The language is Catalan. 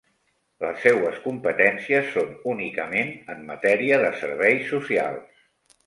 Les seues competències són únicament en matèria de serveis socials.